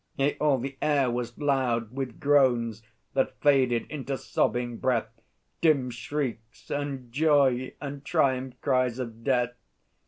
Yea, all the air was loud With groans that faded into sobbing breath, Dim shrieks, and joy, and triumph cries of death.